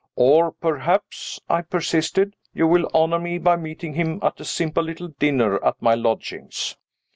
"Or perhaps," I persisted, "you will honor me by meeting him at a simple little dinner at my lodgings?"